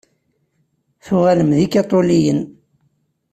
Tuɣalem d ikaṭuliyen.